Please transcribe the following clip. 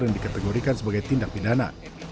yang dikategorikan sebagai tindak pidana